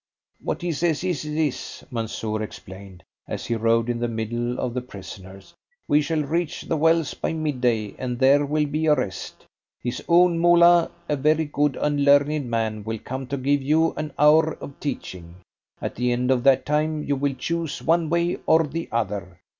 "What he says is this," Mansoor explained, as he rode in the middle of the prisoners. "We shall reach the wells by mid day, and there will be a rest. His own Moolah, a very good and learned man, will come to give you an hour of teaching. At the end of that time you will choose one way or the other.